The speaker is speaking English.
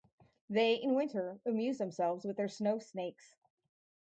They in winter amuse themselves with their snow-snakes.